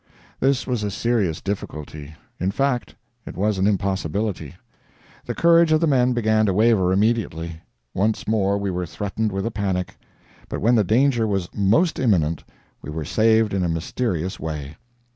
This was a serious difficulty; in fact, it was an impossibility. The courage of the men began to waver immediately; once more we were threatened with a panic. But when the danger was most imminent, we were saved in a mysterious way.